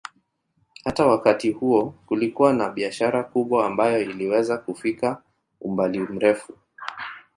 Hata wakati huo kulikuwa na biashara kubwa ambayo iliweza kufikia umbali mrefu.